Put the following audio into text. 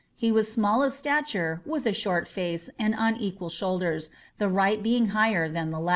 He was small of stature, with a short &ce and unequal shoulderS| the right being higher than the leA."'